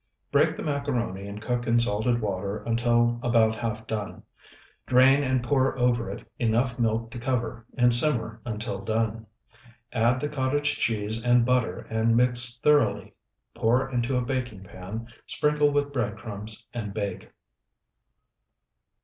Break the macaroni and cook in salted water until about half done. Drain and pour over it enough milk to cover, and simmer until done. Add the cottage cheese and butter and mix thoroughly. Pour into baking pan, sprinkle with bread crumbs, and bake.